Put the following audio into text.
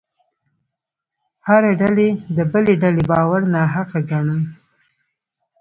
هره ډلې د بلې ډلې باور ناحقه ګاڼه.